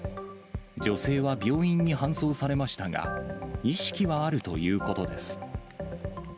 女性は病院に搬送されましたが、意識はあるということです。